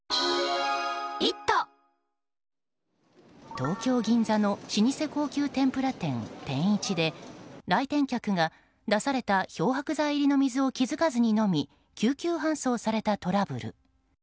東京・銀座の老舗高級てんぷら店天一で来店客が、出された漂白剤入りの水を気付かずに飲み救急搬送されたトラブル。